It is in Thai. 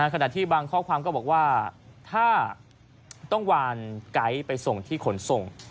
ขณะที่บางข้อความก็บอกว่าถ้าต้องวานไกด์ไปส่งที่ขนส่ง